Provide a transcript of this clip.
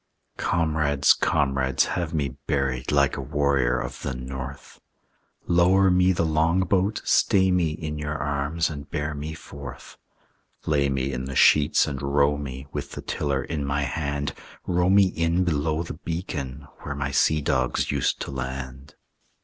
Comrades, comrades, have me buried Like a warrior of the North. Lower me the long boat, stay me In your arms, and bear me forth; Lay me in the sheets and row me, With the tiller in my hand, Row me in below the beacon Where my sea dogs used to land.